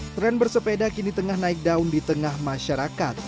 tren bersepeda kini tengah naik daun di tengah masyarakat